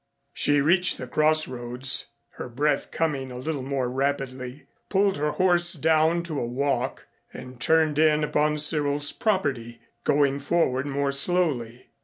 She reached the cross roads, her breath coming a little more rapidly, pulled her horse down to a walk and turned in upon Cyril's property, going forward more slowly.